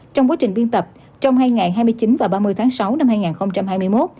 trong quá trình biên tập trong hai ngày hai mươi chín và ba mươi tháng sáu năm hai nghìn hai mươi một